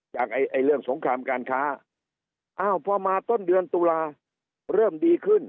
จากเรื่องสงครามการค้าอ้าวพอมาต้นเดือนตุลาเริ่มดีขึ้น